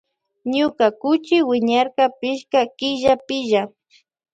Ñuka kuchi wiñarka pichka killapilla.